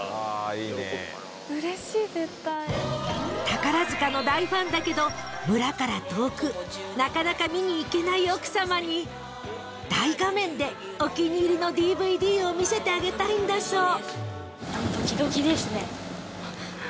［宝塚の大ファンだけど村から遠くなかなか見に行けない奥さまに大画面でお気に入りのＤＶＤを見せてあげたいんだそう］